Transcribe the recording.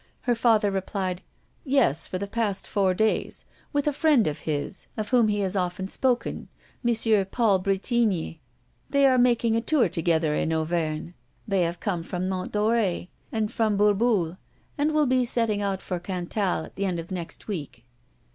Her father replied: "Yes, for the past four days, with a friend of his of whom he has often spoken, M. Paul Bretigny. They are making a tour together in Auvergne. They have come from Mont Doré and from Bourboule, and will be setting out for Cantal at the end of next week."